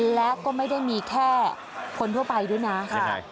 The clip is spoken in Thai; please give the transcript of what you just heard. และก็ไม่ได้มีแค่คนทั่วไปด้วยนะ